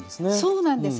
そうなんです。